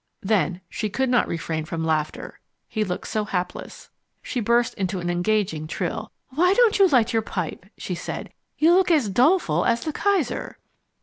Then she could not refrain from laughter, he looked so hapless. She burst into an engaging trill. "Why don't you light your pipe?" she said. "You look as doleful as the Kaiser."